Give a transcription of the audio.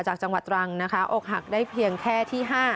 จากจังหวัดตรังนะคะอกหักได้เพียงแค่ที่๕